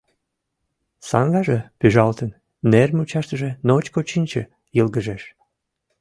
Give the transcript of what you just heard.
Саҥгаже пӱжалтын, нер мучаштыже ночко чинче йылгыжеш.